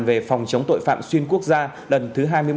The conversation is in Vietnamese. về phòng chống tội phạm xuyên quốc gia lần thứ hai mươi một